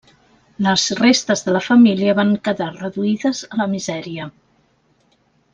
Les restes de la família van quedar reduïdes a la misèria.